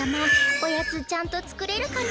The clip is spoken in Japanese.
おやつちゃんとつくれるかな？